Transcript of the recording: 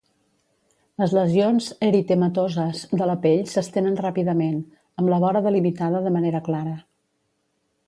Les lesions eritematoses de la pell s'estenen ràpidament, amb la vora delimitada de manera clara.